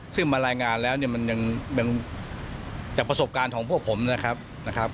ซึ่งมารายงานแล้วเนี่ยมันยังจากประสบการณ์ของพวกผมนะครับ